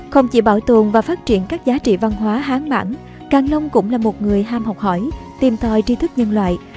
không chỉ bảo tồn và phát triển các giá trị văn hóa hán mãn càng long cũng là một người ham học hỏi tìm tòi tri thức nhân loại